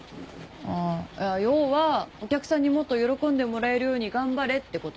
ああ要はお客さんにもっと喜んでもらえるように頑張れってこと？